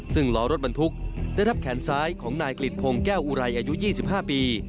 ซึ่งล้อรถบรรทุกได้ทับแขนซ้ายของนายกลิดพงศ์แก้วอุไรอายุ๒๕ปี